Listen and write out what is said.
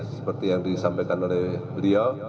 seperti yang disampaikan oleh beliau